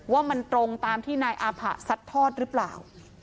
ว่ามันตรงตามที่นายอาผะซัดทอดหรือเปล่า